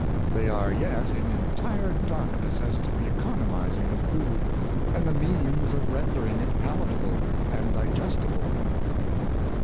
They are yet in entire darkness as to the economizing of food, and the means of ren dering it palatable and digestible.